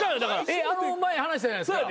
前話したじゃないですか。